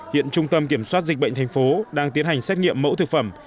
hiện trung tâm kiểm soát dịch bệnh thành phố đang tiến hành xét nghiệm mẫu thực phẩm